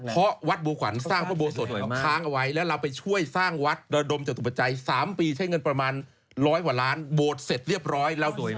เพราะวัดบัวขวัญสร้างพระโบสถค้างเอาไว้แล้วเราไปช่วยสร้างวัดระดมจตุปัจจัย๓ปีใช้เงินประมาณร้อยกว่าล้านโบสถเสร็จเรียบร้อยแล้ว